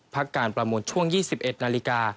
พักการประมูลช่วง๒๑นาฬิกา